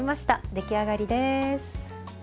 出来上がりです。